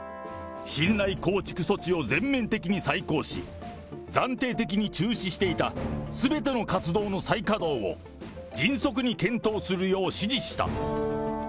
信頼構築措置を全面的に再考し、暫定的に中止していたすべての活動の再稼働を、迅速に検討するよう指示した。